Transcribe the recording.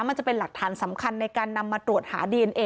มันจะเป็นหลักฐานสำคัญในการนำมาตรวจหาดีเอนเอ